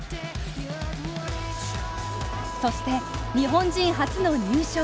そして、日本人初の入賞。